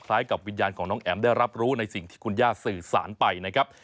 กับวิญญาณของน้องแอ๋มได้รับรู้ในสิ่งที่คุณย่าสื่อสารไปนะครับ